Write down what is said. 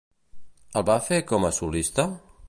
El va fer com a solista?